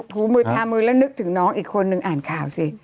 ถูมือทามือแล้วนึกถึงน้องอีกคนนึงอ่านข่าวสิ